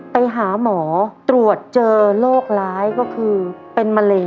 ไปหาหมอตรวจเจอโรคร้ายก็คือเป็นมะเร็ง